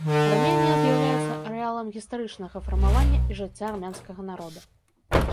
Арменія з'яўляецца арэалам гістарычнага фармавання і жыцця армянскага народа.